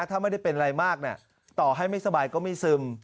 ถ้าไม่ได้เป็นอะไรมากต่อให้ไม่สบายก็ไม่ซึม